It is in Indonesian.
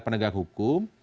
tindak pidana khusus